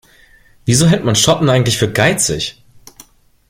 Wieso hält man Schotten eigentlich für geizig?